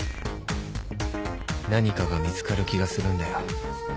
何かが見つかる気がするんだよ